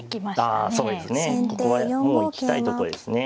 あそうですね。ここはもう行きたいとこですね。